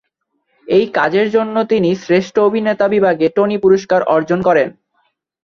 এই কাজের জন্য তিনি শ্রেষ্ঠ অভিনেতা বিভাগে টনি পুরস্কার অর্জন করেন।